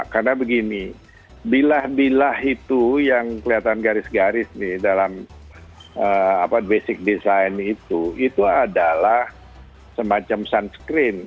karena begini bilah bilah itu yang kelihatan garis garis dalam basic design itu itu adalah semacam sunscreen